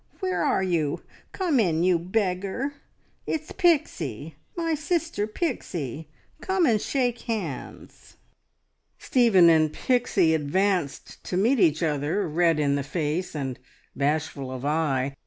"Where are you? Come in, you beggar. It's Pixie! My sister Pixie. Come and shake hands." Stephen and Pixie advanced to meet each other, red in the face and bashful of eye.